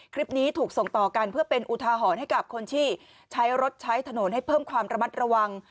คลิปนี้ถูกส่งต่อกันเพื่อเป็นอุทาหรณ์ให้กับคนที่ใช้รถใช้ถนนให้เพิ่มความระมัดระวัง